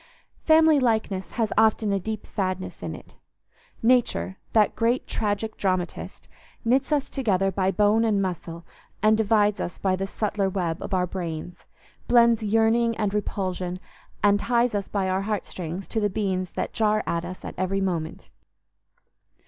Family likeness has often a deep sadness in it. Nature, that great tragic dramatist, knits us together by bone and muscle, and divides us by the subtler web of our brains; blends yearning and repulsion; and ties us by our heart strings to the beings that jar us at every movement.